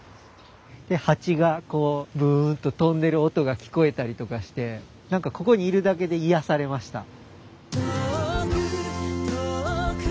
ハチがこうブーンと飛んでる音が聞こえたりとかして何かここにいるだけで癒やされました。